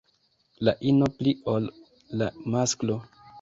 La ino pli ol la masklo.